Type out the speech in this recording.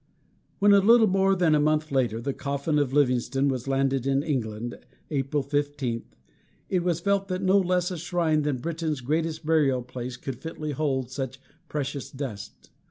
When, a little more than a month later, the coffin of Livingstone was landed in England, April 15, it was felt that no less a shrine than Britain's greatest burial place could fitly hold such precious dust.